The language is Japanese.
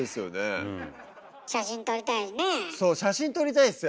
そう写真撮りたいんすよ